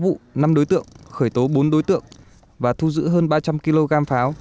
sáu vụ năm đối tượng khởi tố bốn đối tượng và thu giữ hơn ba trăm linh kg pháo